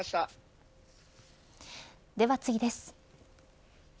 では次です。